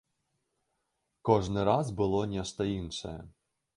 Кожны раз было нешта іншае.